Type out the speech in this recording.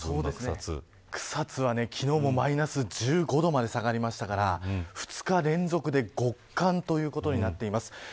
草津は昨日もマイナス１５度まで下がりましたから２日連続で極寒ということになっています。